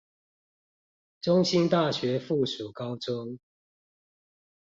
中興大學附屬高中